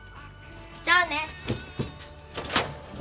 じゃあね。